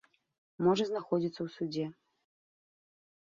Можа знаходзіцца ў судзе.